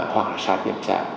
hoặc là sát nhập xã